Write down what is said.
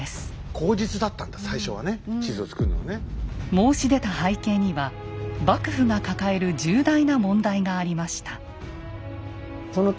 申し出た背景には幕府が抱える重大な問題がありました。